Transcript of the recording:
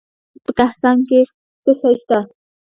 د هرات په کهسان کې څه شی شته؟